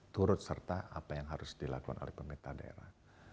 turut serta apa yang harus dilakukan oleh pemerintah daerah